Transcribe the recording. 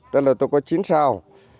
tức là tôi có chín sao